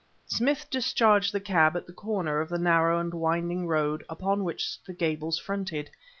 Smith discharged the cab at the corner of the narrow and winding road upon which the Gables fronted.